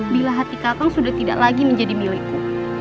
bila hati katong sudah tidak lagi menjadi milikku